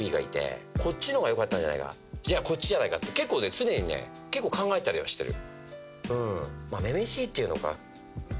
常にね結構考えたりはしてる。